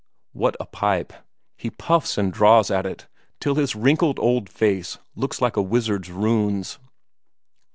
What a pipe! He puffs and draws at it till his wrinkled old face looks like a wizard's runes.